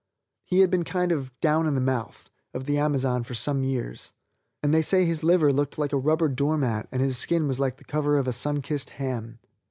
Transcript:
He had been kind of "down in the mouth" of the Amazon for some years, and they say his liver looked like a rubber door mat and his skin was like the cover of a sun kissed ham.